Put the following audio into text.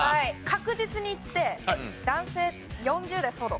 確実にいって男性４０代ソロ。